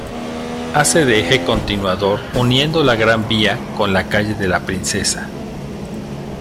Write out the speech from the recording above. Hace de eje continuador uniendo la Gran Vía con la calle de la Princesa.